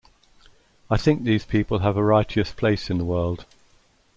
I think these people have a righteous place in the world.